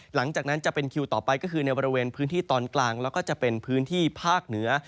หลังจากนั้นจะเป็นคิวต่อไปก็คือในบริเวณพื้นที่ตอนกลางแล้วก็จะเป็นพื้นที่ภาคเหนือ